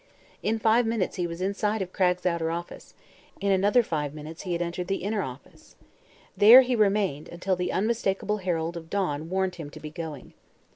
In five minutes he was inside of Cragg's outer office; in another five minutes he had entered the inner office. There he remained until the unmistakable herald of dawn warned him to be going.